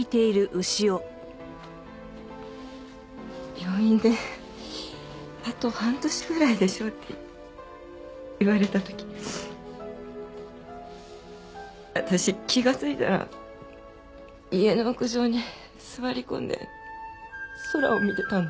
病院であと半年ぐらいでしょうって言われた時私気がついたら家の屋上に座り込んで空を見てたんです。